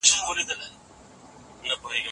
یو پرهار نه وي جوړ سوی شل زخمونه نوي راسي